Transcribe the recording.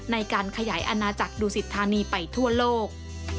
ในการขยายอาณาจักรดูสิทธานีไปทั่วโลก